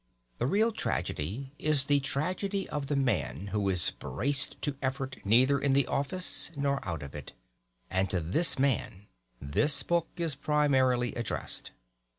The real tragedy is the tragedy of the man who is braced to effort neither in the office nor out of it, and to this man this book is primarily addressed.